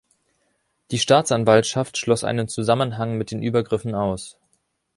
Die Staatsanwaltschaft schloss einen Zusammenhang mit den Übergriffen aus.